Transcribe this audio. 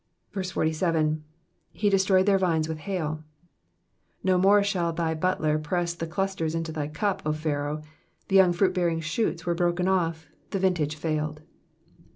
47. *'7/e dentroyed their vines with haiV^ No more shall thy butler press the clusters into thy cup, O Pharaoh ! The young fruit bearing shoots were broken off, the vintage failed.